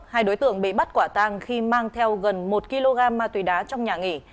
hai đối tượng bị bắt quả tang khi mang theo gần một kg ma túy đá trong nhà nghỉ